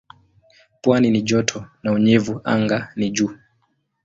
Pwani ni joto na unyevu anga ni juu.